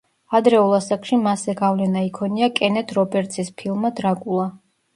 ადრეულ ასაკში მასზე გავლენა იქონია კენეთ რობერტსის ფილმმა „დრაკულა“.